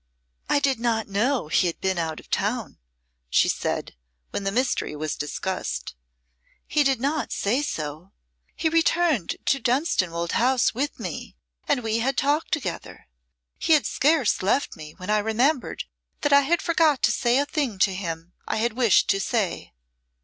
"I did not know he had been out of town," she said, when the mystery was discussed. "He did not say so. He returned to Dunstanwolde House with me, and we had talk together. He had scarce left me when I remembered that I had forgot to say a thing to him I had wished to say.